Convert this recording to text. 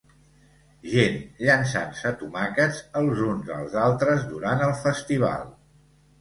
Gent llançant-se tomàquets els uns als altres durant el festival.